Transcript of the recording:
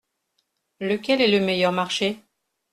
Lequel est le meilleur marché ?